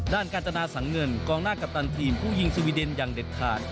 การจนาสังเงินกองหน้ากัปตันทีมผู้ยิงสวีเดนอย่างเด็ดขาด